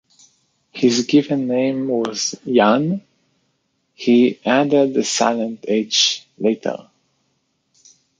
His given name was Jan, he added the silent H later.